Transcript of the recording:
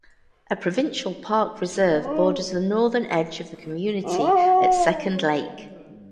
A provincial park reserve borders the northern edge of the community at Second Lake.